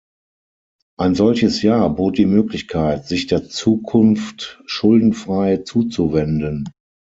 Ein solches Jahr bot die Möglichkeit, sich der Zukunft schuldenfrei zuzuwenden.